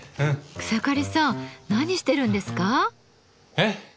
草刈さん何してるんですか？